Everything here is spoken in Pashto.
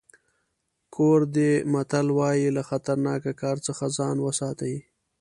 کوردي متل وایي له خطرناکه کار څخه ځان وساتئ.